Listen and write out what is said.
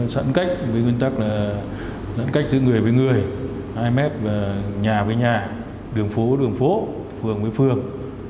sẵn cách với nguyên tắc là sẵn cách giữa người với người hai mét nhà với nhà đường phố với đường phố phường với phường